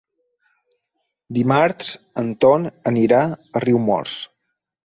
Dimarts en Ton anirà a Riumors.